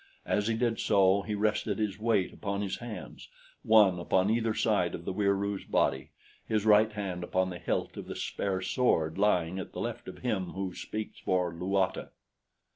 As he did so, he rested his weight upon his hands, one upon either side of the Wieroo's body, his right hand upon the hilt of the spare sword lying at the left of Him Who Speaks for Luata.